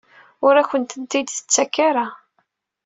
Ur akent-ten-id-tettak ara?